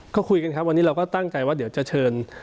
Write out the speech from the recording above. ก็คุยกันครับวันนี้เราก็ตั้งใจว่าเดี๋ยวจะเชิญ